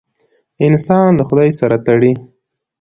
انسان له خدای سره تړي.